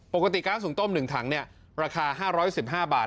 ปกติก๊าสหุงต้มหนึ่งถังเนี่ยราคาห้าร้อยสิบห้าบาท